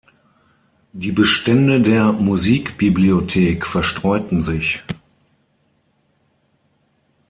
Die Bestände der Musikbibliothek verstreuten sich.